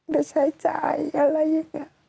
ไปใช้จ่ายอะไรอย่างนี้